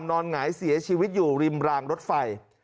หงายเสียชีวิตอยู่ริมรางรถไฟ